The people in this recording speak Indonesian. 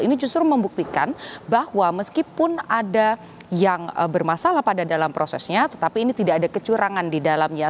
ini justru membuktikan bahwa meskipun ada yang bermasalah pada dalam prosesnya tetapi ini tidak ada kecurangan di dalamnya